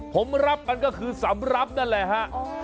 ผมรับมันก็คือสำรับนั่นแหละฮะ